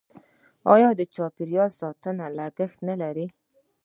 آیا د چاپیریال ساتنه لګښت نلري؟